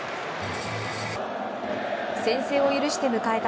先制を許して迎えた